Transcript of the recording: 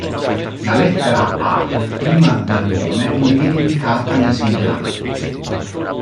La lettera "A" prima del nome non viene indicata nei segnali.